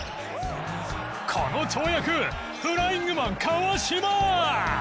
この跳躍フライングマン川島！